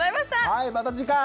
はいまた次回！